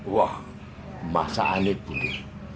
wah masak anek budi